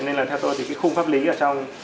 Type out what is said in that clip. nên là theo tôi thì cái khung pháp lý ở trong